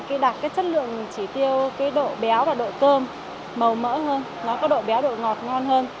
mình chỉ tiêu cái độ béo và độ cơm màu mỡ hơn nó có độ béo độ ngọt ngon hơn